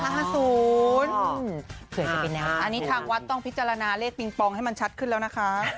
อันนี้ทางวัดต้องพิจารณาเลขปิงปองให้มันชัดขึ้นแล้วนะคะ